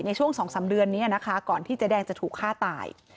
ในช่วง๒๓เดือนนี้นะคะก่อนที่เจ๊แดงจะถูกฆ่าตาย